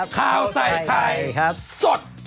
ข้าวใส่ไข่สด